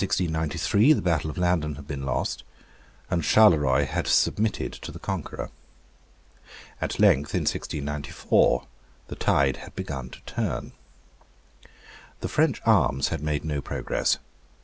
In 1693 the battle of Landen had been lost; and Charleroy had submitted to the conqueror. At length in 1694 the tide had begun to turn. The French arms had made no progress.